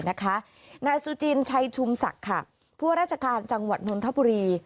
บริษัทย์นาซิุจินใช่ชุมสักข้าพวกราชการจังหวัดนุนทะปุอรี